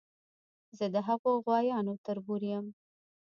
زه د هغو غوایانو تربور یم.